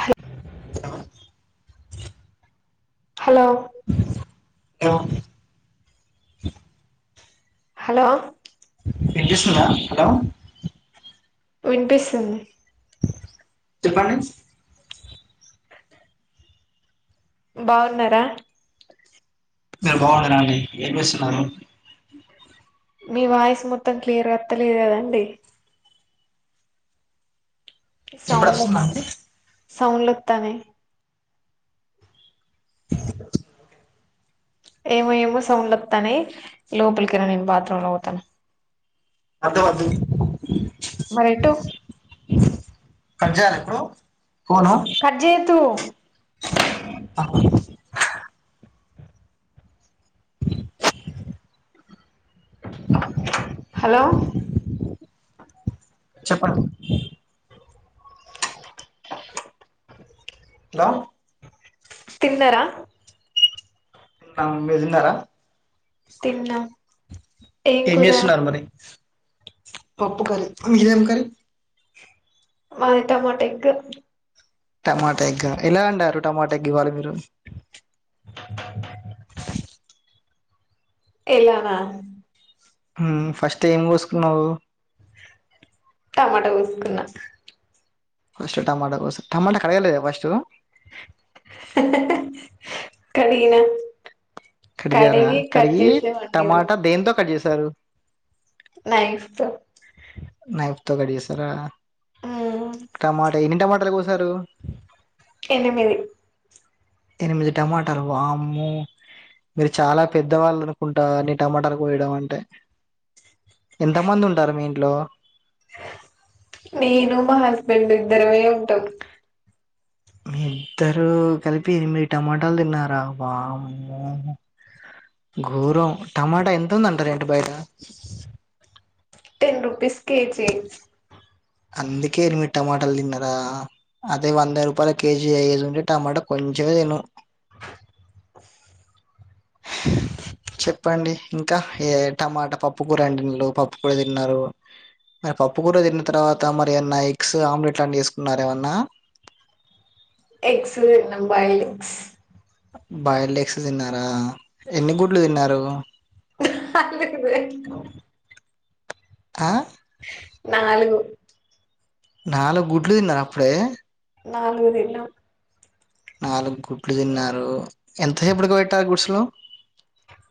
హల్ [inaudible] hello [inaudible] hello ఇన్పిస్తుందా hello వినిపిస్తుంది చెప్పండి బాగున్నారా మీరు బాగున్నారా ఏం చెస్తున్నారు మీ వాయిస్ మొత్తం క్లియర్ వత్తలేదు కదండి ఇప్పుడు వస్తున్నాదా అండి సౌండ్ వత్తాన్నాయి ఏమో ఏమో సౌండ్ వస్తానాయి లోపలికిరా నేను బాత్రూమ్ లో ఉంటాను అర్థ [inaudible] మరెటు కజ్ చేయాలా ఇప్పుడు ఫోను కట్ చేయొద్దు ఆ హలో చెప్పండి హలో తిన్నరా మీరు తిన్నారా తిన్నా ఏం చేస్తున్నారు మరి పప్పు కరి మీరేం కర మాయిట మాటకు టమాటా ఎగ్గ ఎలా అంటారు టమాటా ఎగ్గ ఇవ్వాలి మీరు ఎలానా ఫస్ట్ ఏం కోసుకున్నావు టమాట కోసుకున్నా ఫస్ట్ టమాటో కో టమాటో కడగలేద ఫస్ట్టు కడిగిన కడిగారా కడిగి కట్ కడిగి చేసి వండిన టమాటా దేంతో కట్ చేసారు న నపుతో గడి సార ఉమ్ టమాటా ఎన్ని టమాటాలు కోసారు ఎనిమిది ఎనిమిది టమాటర్ ఆమ్ము మీరు చాలా పెద్దవాళ్ళు అనుకుంటారుని టమాటాలు పోయడం అంటే ఎంత మంది ఉంటారు మీ ఇంట్లో నేను మా హస్బెండ్ ఇద్దరమే ఉంటాం మీ ఇద్దరు కలిపి ఎనిమిది టమాటాలు తిన్నారా బామ్ ోరం టమాటా ఎంత ఉందంటార ఏంటి బయట టెన్ రుపీస్ కేజీ అందుకే మీరు టమాటాలు తిన్నరా అదే వంద రూపాయల కేజీ అయ్యేది ఉంటే టమాటా కొంచెమే తను చెప్పండి ఇంకా ఏ టమాట పప్పు కూర అండింలు పప్పు కూర తిన్నారు మరి పప్పు కూూర తిన్న తర్వాత మరి ఏన్నా ఎగ్స్ ఆమ్లెట్ లాంటివి వేసుకున్నార ఏమన్నా ఎగ్స్న్నా బైల్ ఎగస్ బయోటెక్స్ తిన్నారా ఎన్ని గుడ్లు తిన్నారు అ లేద ఆ నాలుగు నాలుగు గుడ్లు తిన్నారు అప్పుడే నాలుగు దిన్నా నాలుగు గుడ్లు తిన్నారు ఎంతసేపటికి పెట్టారు గుడ్సులో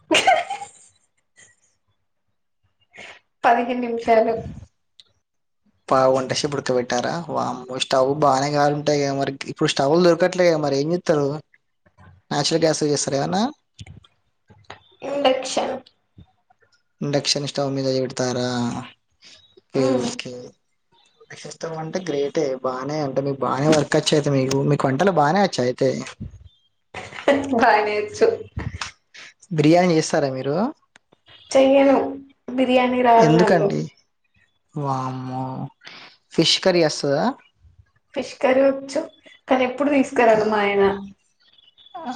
కె హ హ పదిహేన్ నిమిషాలు పెట్టారా వామ్మో స్టవ్ బాగానే గాలుంటాయి కదా మరి ఇప్పుడు స్టవ్ దొరకట్లే గదా మరి ఏం చెస్తరు న్యాచురల్ గ్యాస్ చేస్తారా ఏమన్నా ఇండేక్షన్ ఇండెక్షన్ స్టవ్ మీద ఇడతారా ఉమ్ ఓకే స్తం అంటే గ్రేటే బాగానే అంటే మీకు బాగానే వర్క్ వచ్చా అయితే మీకు మీకు వంటలు బాగానే వచ్చాఅయితే హు బానే వొచ్చు బిర్యానీ చేస్తారా మీరు చేయ్యను బిర్యానీ రాదు నాకు ఎందుకండి వామ్మో ఫిష్ కర్రీ వస్తద ఫిష్ కర్రీ వచ్చు కానీ ఎప్పుడు తీసుకురాలె మా ఆయన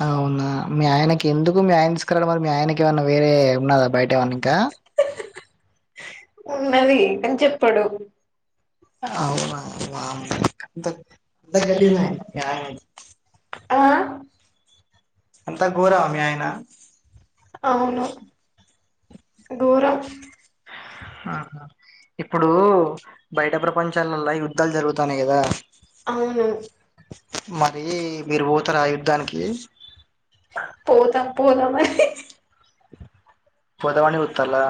అవునా మీ ఆయనకి ఎందుకు మీ ఆయన తీసుకురాడం మరి మీ ఆయనకి ఏమైన్నా వేరే ఉన్నదా బయట ఏమన్నా ఇంకా డా ఉన్నది కాని చెప్పడు అవునా వామ్మో ఇంతా గలీజ్ ఆయన మీ ఆయనా ఆ అంతా ఘోరమా మీ ఆయన అవును ఘోరం [inaudible] ఆహా ఇప్పుడు బయట ప్రపంచాలల్లా యుద్ధాలు జరుగుతాన్నాయి గదా అవును మరి మీరు పోతరా ఆ యుద్ధానికి పోతం పోదా మరి పొదమని చూస్తుల్లా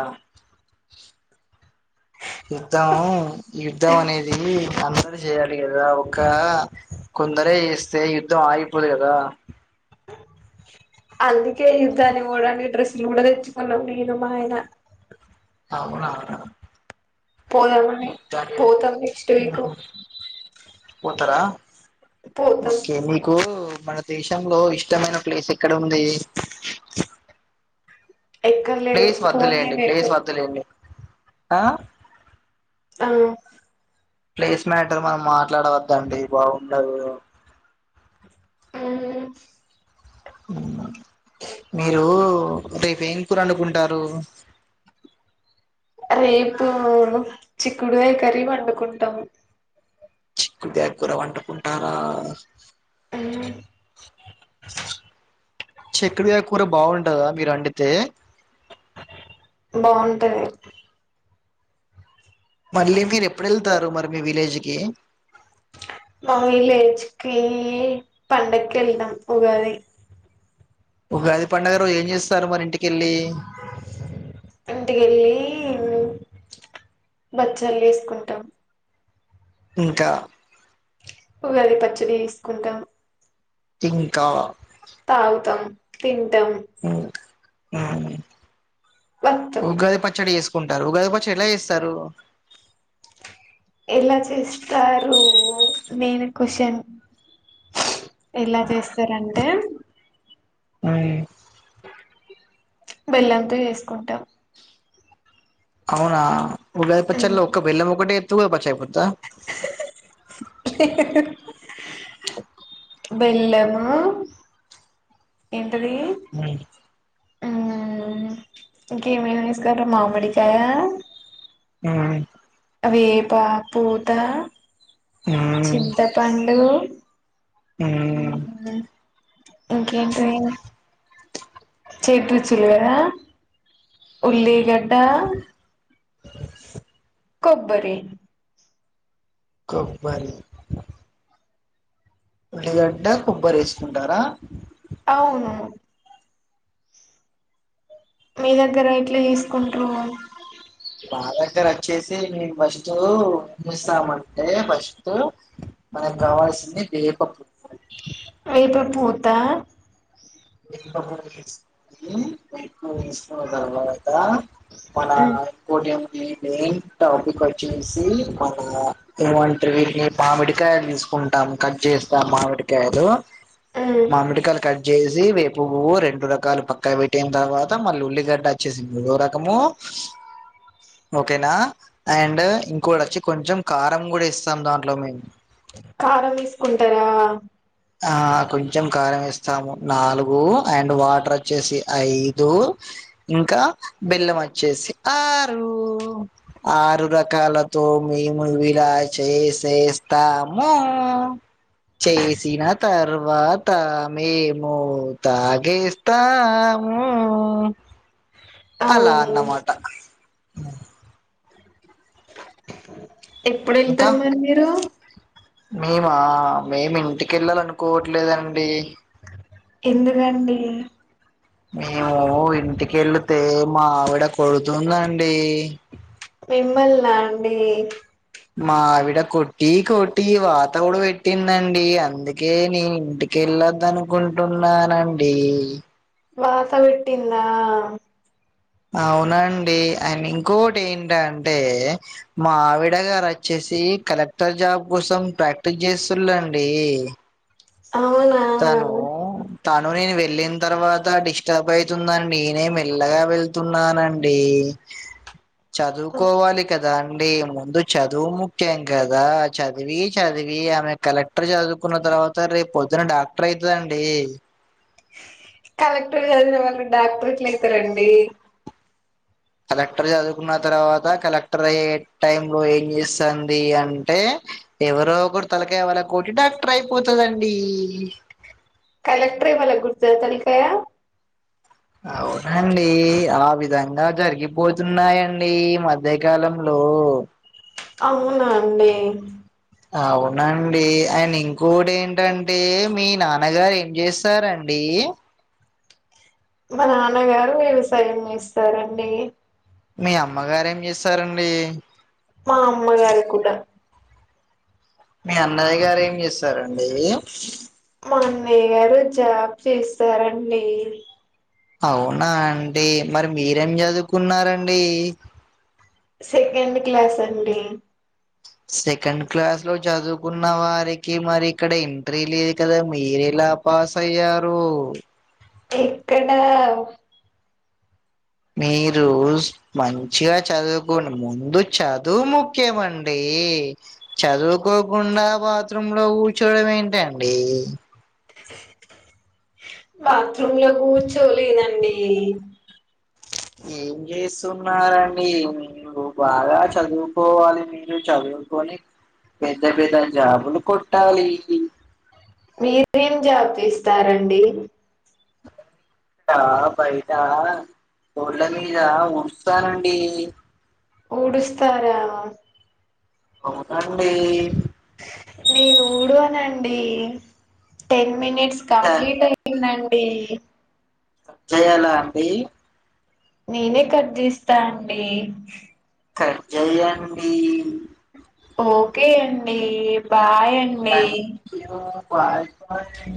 యుద్ధం యుద్ధం అనేది అందరు చేయాలి గదా ఒక్కా కొందరే చేస్తే యుద్ధం ఆగిపోదు గదా అ అందుకె యుద్దానికి పొవడానికి డ్రెస్ కూడా తెచ్చుకున్నా నేను మాఆయన అవునా పోదామని ముత్తాగే పోతాం నెక్స్ట్ వీక్ మ్ పోతరా పోతాం ఓకే మీకు మన దేశంలో ఇష్టమైన ప్లేస్ ఎక్కడ ఉంది ఎక్కర్లేదు ప్లేస్ పోన్లే వద్దులేండి రేపు ప్లేస్ వద్దులేండి ఆ ఆ ప్లేస్ మ్యాటర్ మనం మాట్లాడవద్దండి బాగుండదు మ్మ్ మీరు రేపు ఏం కూర వండుకుంటారు రేపు చిక్కుడుకాయ కర్రి వండుకుంటాము చిక్కుడు కాయ కూర వండుకుంటారా మ్మ్ చెక్కుడు కాయ కూర బాగుంటదా మీరు వొండితే బాగుంటది మళ్ళీ మీరు ఎప్పుడు ఎళ్తారు మరి మీ విలేజ్కి మావిలేకి పండక కెళ్తాన్ ఉగాది ఉగాది పండుగ రోజు ఏం చేస్తారు మరి ఇంటి ఇంటికెళ్ళి కి బచ్చాలు చేసుకుంటాం ఇంకా ఉగాది పచ్చడి తీసుకుంటాం తింకా తాగుతాం తింటాం ఉమ్ వత్తాం ఉగాది పచ్చడి కుంటారు ఉగాది పచ్చడి ఎట్లా చేస్తారు ఎలా చేస్తారు నెన్ క్వశ్చన్ ఎలా చేస్తారంటే మ్మ్ బెల్లంతో చేసుకుంటామ్ అవునా ఉగాది పచ్చలో ఒక బెల్లం ఒకటే ఎత్తు పచ్చ అయిపోతా బెల్లము ఏంటది ఆ ఇంక ఏమస్క మామిడికాయా మ్మ్ వేప పూత మ్మ్ చింతపండు మ్మ్ ఇంకేంటి చేటు చూలువద ఉల్లిగడ్డ స కొబ్బరి కొబ్బరి ఉల్లిగడ కొబ్బరీ వేసుకుంటారా అవును మీ దగ్గర ఎట్లా చేసుకుంట్రు బ దగ్గర వచ్చేసి మేము ఫస్ట్ చస్తామంటే ఫస్ట్ మనకు కావాల్సింది వేపప్పు వేపపువ్వు వద్ద వేప పువ్వు తీసుకొని వేప తీసుకున్న తర్వాత మన ఇంకోటి ఈ మెయిన్ టాపిక్ వచ్చేసి మన ఇంటర్వ్యూని మామిడికా చూ కుంటాం కట్ చేస్తాం మామిడికాయలు మ్మ్ మామిడికాయలు కట్ చే వేపువ్వు రెండు రకాలు పక్కా పెట్టిన తర్వాత మళ్ళీ ఉల్లిగడ్డ వచ్చేసి మూడో రకము అ ఓకేనా అండ్ ఇంకో వచ్చి కొంచెం కారం కూడా ఇస్తాం దాంట్లో మేము కారం తీసుకుంటారా ఆ కొంచెం కారం వేస్తాము నాలుగు అండ్ వాటర్ వచ్చేసి ఐదు ఇంకా బెల్లం వచ్చేసి ఆరు ఆరు రకాలతో మేము ఇలా చేసేస్తాము చే సిన తర్వాత మేము తాగేస్తాము అలా అవును అన్నమాట ఎప్పుడు ఇంకా వెళ్తారు మరి మీరు మేమా మేము ఇంటికి వెళ్ళాలి అనుకోవట్లేదండి ఎందుకండి కెళితే మా ఆవిడ కొడుతుందండి మిమ్మల్లా అండి మావిడ కొట్టి కొట్టి వాత కూడా పెట్టిందండి అందుకే నీ ఇంటికే ఎలోదు అనుకుంటున్నానండి వాత పెటిందా అవునండి అండ్ ఇంకోకటి ఏంటంటే మావిడ గారు వచ్చేస్ చి కలెక్టర్ జాబ్ కోసం ప్రాక్టీస్ చేస్తుల్అండి అవునా తను తను నేను వెళ్ళిన తర్వాత డిస్టర్బ్ అయితుందండి నేనే మెల్లగా వెళ్తున్నానండి అ చదువుకోవాలి కద కదండి ముందు చదువు ముఖ్యం కదా చదివి చదివి ఆమె కలెక్టర్ చదువు కున్న తర్వాత రేపు పొద్దున డాక్టర్ అయితదండి కలెక్టర్ చదివీన వాళ్ళ డాక్టరేట్లు అయితరండి కలెక్టర్ చదువుకున్న తర్వాత కలెక్టర్ అయ్యే టైం లో ఏం చేస్తాంది అంటే ఎవరో ఒకరు తలకాయ పగలగొట్టి డాక్టర్ అయిపోతదండి కలెక్టర్ ఏమన గుర్తు జేతనికె అవునండి ఆ విధంగా జరిగిపోతున్నాయండి మధ్యకాలంలో అవునా అండి అవునండి అండ్ ఇంకోటి ఏంటంటే మీ నాన్నగారు ఏం చేస్తారండి ఏ మా నాన్నగారు వ్యవసాయం చేస్తారండి మీ అమ్మగారు ఏం చేస్తారండి మా అమ్మగారు కూడా మీ అన్నయ్య గారు ఏం చేస్తారండి మా అన్నయ్య గారు జాబ్ చేస్తారండి అవునా అండి మరి మీరేం చదువుకున్నారండి సెకండ్ క్లాస్ అండి సెకండ్ క్లాస్ లో చదువుకున్న వారికి మరి ఇక్కడ ఎంట్రీ లేదు కదా మీరేలా డ పాస్ అయ్యారు టే ఇక్కడ మీరు మంచిగా చదువుకోండి ముందు చదువు ముఖ్యమండి ఏ చదువుకోకుండా బాత్రూమ్ లో కూర్చోడం ఏంటండి బాత్రూమ్ లో కూర్చోలేందండి ఏం చేస్తున్నారండి మీరు బాగా చదువుకోవాలి మీరు చదువు కోని పెద్ద పెద్ద జాబులు కొట్టాలి మీరేం జాబ్ ఇస్తారండి ట బయటా రోడ్ల మీద ఉడుస్తానండి ఉడుస్తారా అవునండి నేను ఉడ్వానండి టెన్ మినిట్స్ కట్ కంప్లీట్ అయిందండి చేయాల అండి నేనే కట్జెస్తా అండి కట్ జేయండి ఓకే అండి బాయ్ అండి వాట్ రచ్చి